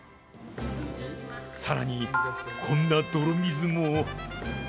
さらに、こんな泥水も。